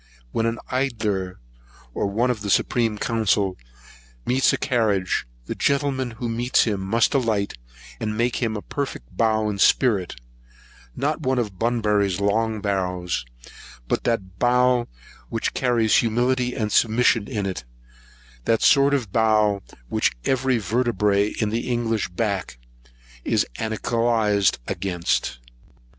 When an edilleer, or one of the supreme council, meets a carriage, the gentleman who meets him must alight, and make him a perfect bow in spirit; not one of Bunburry's long bows, but that bow which carries humility and submission in it, that sort of bow which every vertebræ in an English back is anchylosed against.